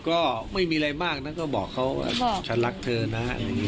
ก็ไม่มีอะไรมากนะก็บอกเขาฉันรักเธอนะ